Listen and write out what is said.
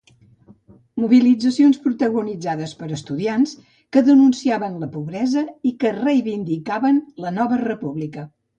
Mobilitzacions protagonitzades per estudiants que denunciaven la pobresa i que reivindicaven la nova república